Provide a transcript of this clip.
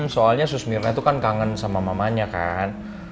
soalnya susmirna tuh kan kangen sama mamanya kan